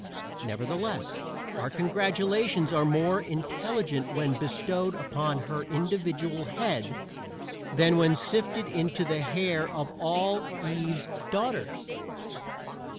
Nevertheless our congratulations are more intelligent when bestowed upon her individual head than when sifted into the hair of all Eve's daughters.